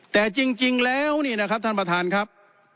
แต่จริงแล้วนี่นะครับท่านประธานครับ